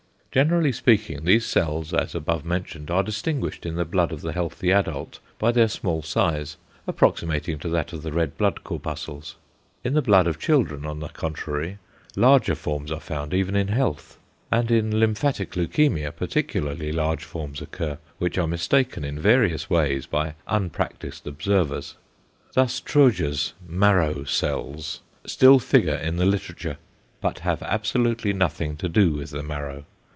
Generally speaking, these cells, as above mentioned, are distinguished in the blood of the healthy adult by their small size, approximating to that of the red blood corpuscles. In the blood of children on the contrary larger forms are found even in health; and in lymphatic leukæmia particularly large forms occur, which are mistaken in various ways by unpractised observers. Thus Troje's "marrow cells" still figure in the literature, but have absolutely nothing to do with the marrow.